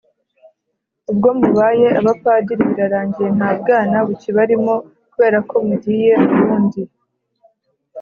ubwo mubaye abapadiri, birarangiye nta bwana bukibarimo kubera ko mugiye mu rundi